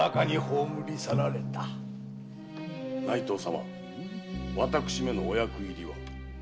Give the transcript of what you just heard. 内藤様私めのお役入りは？